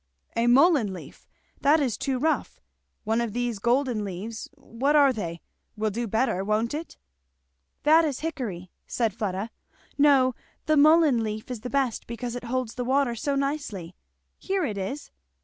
"A mullein leaf! that is too rough; one of these golden leaves what are they? will do better, won't it?" "That is hickory," said Fleda. "No; the mullein leaf is the best because it holds the water so nicely. Here it is!